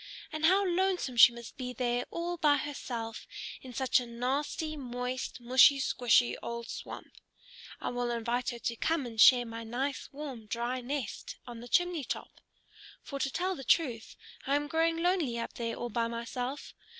And how lonesome she must be there all by herself in such a nasty, moist, mushy squshy old swamp! I will invite her to come and share my nice, warm, dry nest on the chimney top. For to tell the truth, I am growing lonely up there all by myself.